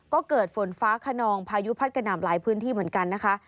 ก็เกิดฝนฟ้าขนองพายุพัดกระหน่ำหลายพื้นที่เหมือนกันนะคะ